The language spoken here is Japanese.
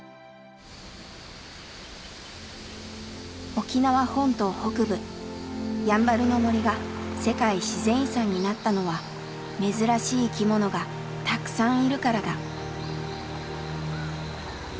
沖縄本島北部やんばるの森が世界自然遺産になったのは珍しい生き物がたくさんいるからだ。